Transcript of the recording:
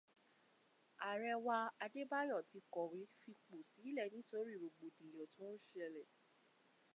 Ààrẹ wa Adébáyọ̀ ti kọ̀wé fipo silẹ̀ nítorí rògbòdìyàn tó ń ṣẹlẹ̀.